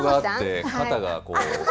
肩がこう。